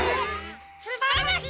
すばらしい！